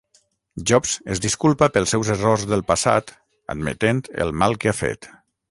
Jobs es disculpa pels seus errors del passat, admetent el mal que ha fet.